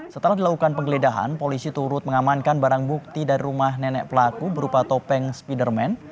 setelah dilakukan penggeledahan polisi turut mengamankan barang bukti dari rumah nenek pelaku berupa topeng spiderman